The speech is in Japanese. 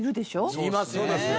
そうですね。